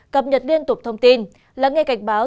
cập nhật liên tục thông tin lắng nghe cảnh báo